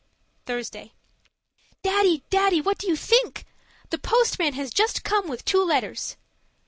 Thursday Daddy! Daddy! What do you think? The postman has just come with two letters.